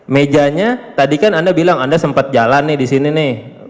mejanya tadi kan anda bilang anda sempat jalan nih di sini nih